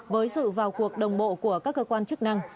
với sự vào cuộc đồng bộ của các cơ quan chức năng